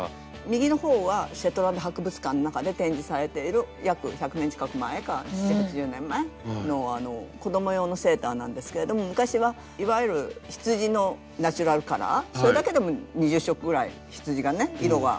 右のほうはシェットランド博物館の中で展示されている約１００年近く前か７０８０年前の子供用のセーターなんですけれども昔はいわゆる羊のナチュラルカラーそれだけでも２０色ぐらい羊がね色があるんですけれども。